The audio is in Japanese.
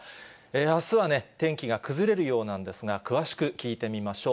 あすはね、天気が崩れるようなんですが、詳しく聞いてみましょう。